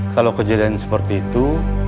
kalau kejadian seperti itu